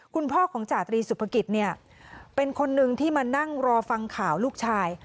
คุณพ่อของจาตรีสุภกิจเนี่ยเป็นคนนึงที่มานั่งรอฟังข่าวลูกชาย